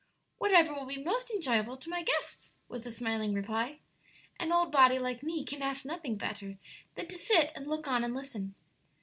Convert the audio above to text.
"Whatever will be most enjoyable to my guests," was the smiling reply. "An old body like me can ask nothing better than to sit and look on and listen."